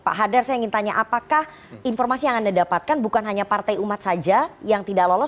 pak hadar saya ingin tanya apakah informasi yang anda dapatkan bukan hanya partai umat saja yang tidak lolos